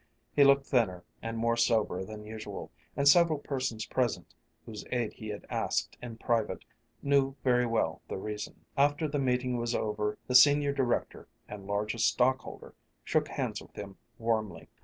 He looked thinner and more sober than usual, and several persons present, whose aid he had asked in private, knew very well the reason. After the meeting was over the senior director, and largest stockholder, shook hands with him warmly.